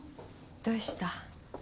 どうした？